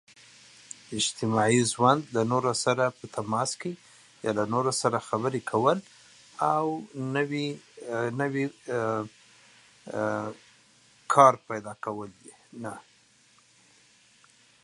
Socially one should communicate with people and seek new activities.